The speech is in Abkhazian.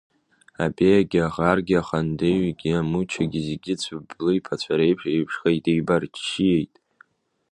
Абеиагьы, аӷаргьы, ахандеиҩгьы, амучагьы зегьы цәыбблы иԥацәа реиԥш еиԥшхеит, еибарччиеит.